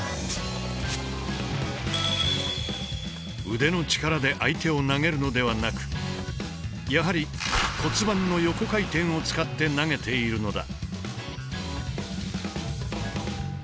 腕の力で相手を投げるのではなくやはり骨盤の横回転を使って投げているのだ。